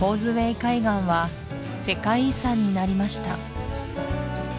海岸は世界遺産になりました